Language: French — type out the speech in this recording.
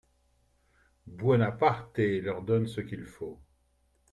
Buonaparté leur donne ce qu'il faut.